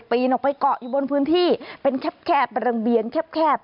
นออกไปเกาะอยู่บนพื้นที่เป็นแคบรังเบียนแคบ